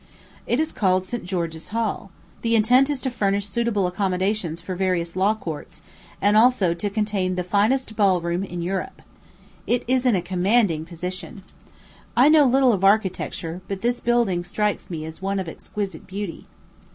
It is called St. George's Hall. The intent is to furnish suitable accommodations for the various law courts, and also to contain the finest ball room in Europe. It is in a commanding position. I know little of architecture, but this building strikes me as one of exquisite beauty.